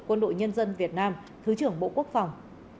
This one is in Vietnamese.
quân đội nhân dân việt nam thứ trưởng bộ quốc phòng